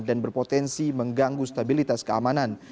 berpotensi mengganggu stabilitas keamanan